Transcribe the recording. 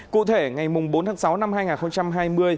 cụ thể ngày bốn tháng sáu năm hai nghìn hai mươi